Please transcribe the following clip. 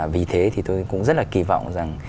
vì thế thì tôi cũng rất là kỳ vọng rằng